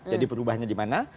jadi perubahannya di mana